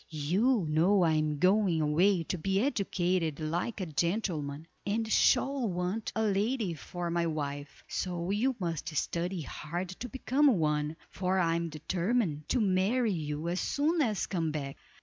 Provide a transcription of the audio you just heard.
You know I am going away to be educated like a gentleman, and shall want a lady for my wife; so you must study hard to become one, for I am determined to marry you as soon as I come back.